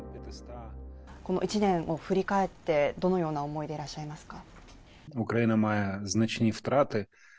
この１年振り返ってどのような思いでいらっしゃいますか？